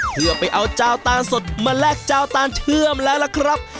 เพื่อไปเอาเจ้าตานสดมาแลกเจ้าตานเชื่อมแล้วล่ะครับ